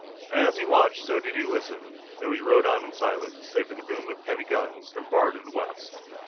And as he watched, so did he listen, though he rode on in silence, save for the boom of heavy guns from far to the west.